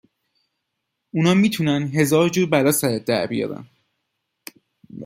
اونها میتونن هزارجور بلا سرت در بیارن